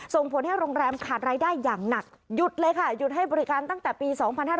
ส่งผลให้โรงแรมขาดรายได้อย่างหนักหยุดเลยค่ะหยุดให้บริการตั้งแต่ปี๒๕๕๙